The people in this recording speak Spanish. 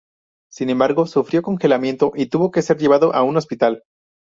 Sin embargo, sufrió congelamiento y tuvo que ser llevado a un hospital.